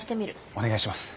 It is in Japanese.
お願いします。